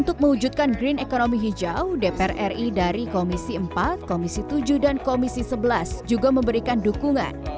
untuk mewujudkan green economy hijau dpr ri dari komisi empat komisi tujuh dan komisi sebelas juga memberikan dukungan